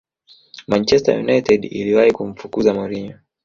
manchester united iliwahi kumfukuza mourinho